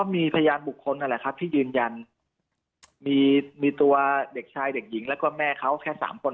มีพยานบุคคลนั่นแหละครับที่ยืนยันมีตัวเด็กชายเด็กหญิงแล้วก็แม่เขาแค่๓คน